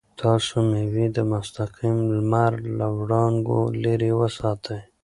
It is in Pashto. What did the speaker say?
تاسو مېوې د مستقیم لمر له وړانګو لرې وساتئ.